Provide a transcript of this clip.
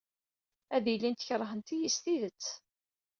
Ad ilint kerhent-iyi s tidet.